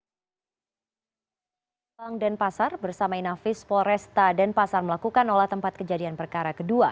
pembangunan dan pasar bersama inafis polresta dan pasar melakukan olah tempat kejadian perkara kedua